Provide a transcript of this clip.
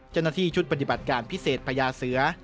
เจ้าหน้าที่ชุดปฏิบัติการพิเศษพญาเสือ